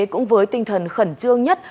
cũng với tinh thần khẩn trương nhất